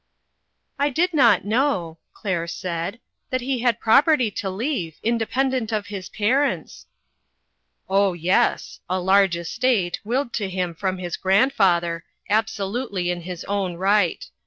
" I did not know," Claire said, " that he had property to leave, independent of his parents." " Oh, yes ; a large estate, willed to him from his grandfather, absolutely in his own right.